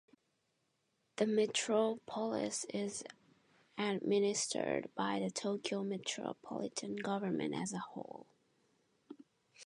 The metropolis is administered by the Tokyo Metropolitan Government as a whole.